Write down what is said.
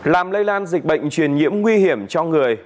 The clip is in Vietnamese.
làm lây lan dịch bệnh truyền nhiễm nguy hiểm cho người